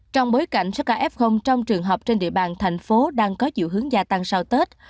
trong bối cảnh saka f trong trường học trên địa bàn thành phố đang có dự hướng gia tăng sau tết